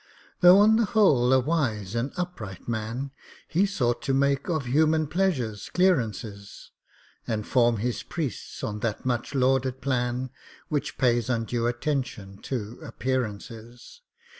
Though, on the whole, a wise and upright man, He sought to make of human pleasures clearances; And form his priests on that much lauded plan Which pays undue attention to appearances.